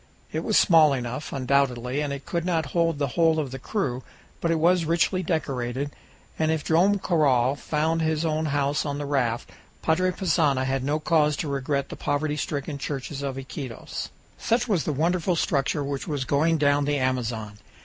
It was small enough, undoubtedly, and it could not hold the whole of the crew, but it was richly decorated, and if Joam Garral found his own house on the raft, Padre Passanha had no cause to regret the poverty stricken church of Iquitos. Such was the wonderful structure which was going down the Amazon.